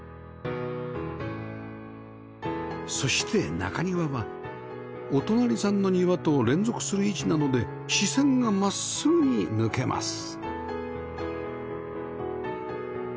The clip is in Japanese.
そして中庭はお隣さんの庭と連続する位置なので視線が真っすぐに抜けます